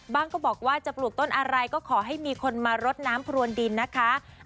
ก็บอกว่าจะปลูกต้นอะไรก็ขอให้มีคนมารดน้ำพรวนดินนะคะ